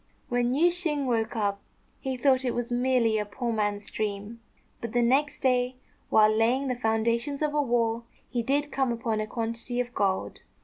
When Yüeh shêng woke up, he thought it was merely a poor man's dream; but the next day, while laying the foundations of a wall, he did come upon a quantity of gold.